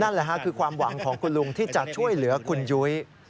นั่นแหละค่ะคือความหวังของคุณลุงที่จะช่วยเหลือคุณยุ้ย